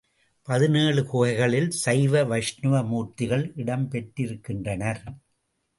பதினேழு குகைகளில் சைவ வைஷ்ணவ மூர்த்திகள் இடம் பெற்றிருக்கின்றனர்.